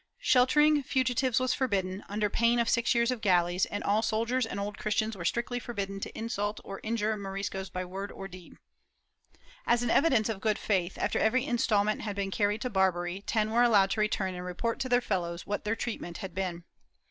Sheltering fugi tives was forbidden, under pain of six years of galleys, and all soldiers and Old Christians were strictly forbidden to insult or injure Moriscos by word or deed. As an evidence of good faith, after every instalment had been carried to Barbary, ten were allowed to return and report to their fellows what their treatment had been.